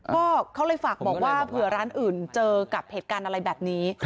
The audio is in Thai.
ก็เขาเลยฝากบอกว่าเผื่อร้านอื่นเจอกับเหตุการณ์อะไรแบบนี้